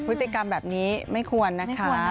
พฤติกรรมแบบนี้ไม่ควรนะคะ